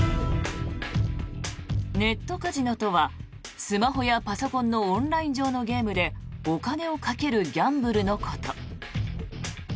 ネットカジノとはスマホやパソコンのオンライン上のゲームでお金を賭けるギャンブルのこと。